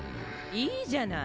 いいじゃない。